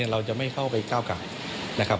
เราจะไม่เข้าไปก้าวไก่นะครับ